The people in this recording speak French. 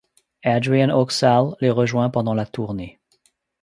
Adrian Oxaal les rejoint pendant la tournée.